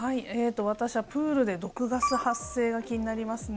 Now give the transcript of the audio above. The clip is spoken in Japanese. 私はプールで毒ガス発生が気になりますね。